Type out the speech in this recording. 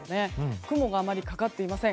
雲があまりかかっていません。